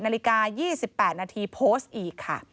นาฬิกา๒๘นาทีโพสต์อีกค่ะ